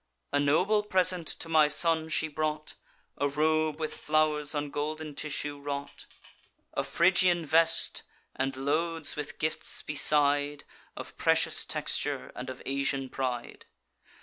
A noble present to my son she brought, A robe with flow'rs on golden tissue wrought, A phrygian vest; and loads with gifts beside Of precious texture, and of Asian pride.